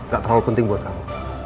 gak terlalu penting buat kamu